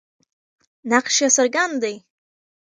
نقش یې څرګند دی.